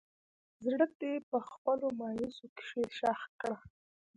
زړه دې په خپلو مايوسو کښې ښخ کړه